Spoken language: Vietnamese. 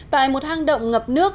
tại một hang động ngập nước